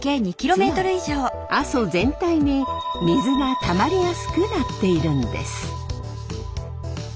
つまり阿蘇全体に水がたまりやすくなっているんです。